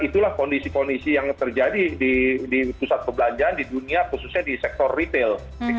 itulah kondisi kondisi yang terjadi di pusat perbelanjaan di dunia khususnya di sektor retail